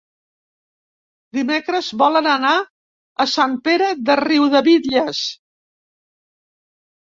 Dimecres volen anar a Sant Pere de Riudebitlles.